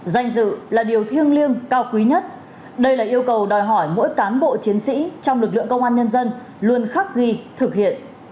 danh dự là điều thiêng liêng cao quý nhất đây là yêu cầu đòi hỏi mỗi cán bộ chiến sĩ trong lực lượng công an nhân dân luôn khắc ghi thực hiện